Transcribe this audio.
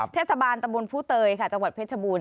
เทศบาลตะบนผู้เตยค่ะจังหวัดเพชรบูรณ